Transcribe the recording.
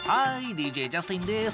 ＤＪジャスティンです。